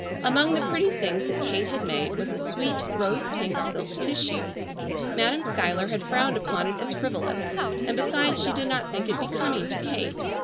Among the pretty things that Kate had made was a sweet rose pink silk tissue. Madam Schuyler had frowned upon it as frivolous, and besides she did not think it becoming to Kate.